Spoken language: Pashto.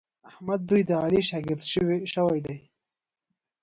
احمد دوی د علي شاګی شوي دي.